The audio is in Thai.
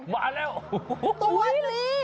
มาแล้วตัวนี่